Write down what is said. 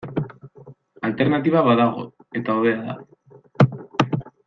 Alternatiba badago, eta hobea da.